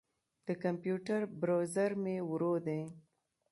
د کمپیوټر بروزر مې ورو دی.